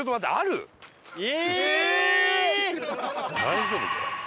大丈夫？